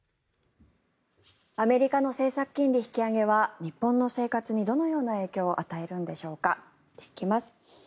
アメリカの政策金利引き上げは日本の生活にどのような影響を与えるのか見ていきます。